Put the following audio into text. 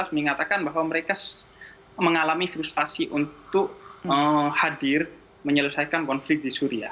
mengatakan bahwa mereka mengalami frustasi untuk hadir menyelesaikan konflik di syria